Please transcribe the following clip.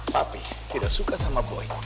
papi tidak suka sama boy